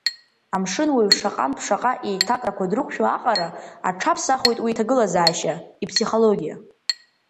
Амшынуаҩ шаҟантә шаҟа еиҭакрақәа дрықәшәо аҟара, аҽаԥсахуеит уи иҭагылазаашьа, иԥсихологиа.